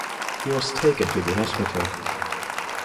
He was taken to the hospital.